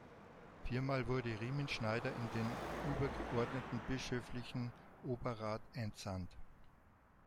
Viermal wurde Riemenschneider in den übergeordneten bischöflichen Oberrat entsandt.